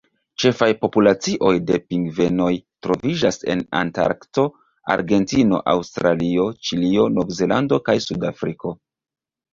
Ĉefaj populacioj de pingvenoj troviĝas en Antarkto, Argentino, Aŭstralio, Ĉilio, Novzelando, kaj Sudafriko.